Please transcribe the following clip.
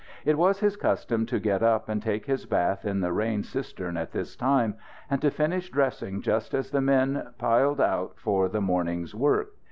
It was his custom to get up and take his bath in the rain cistern at this time, and to finish dressing just as the men piled out for the morning's work.